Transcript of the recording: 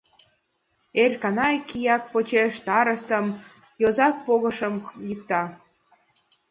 Эрканай тияк почеш старостым, йозак погышым йӱкта.